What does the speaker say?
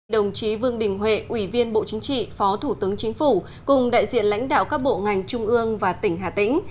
đồng chí vương đình huệ ủy viên bộ chính trị phó thủ tướng chính phủ cùng đại diện lãnh đạo các bộ ngành trung ương và tỉnh hà tĩnh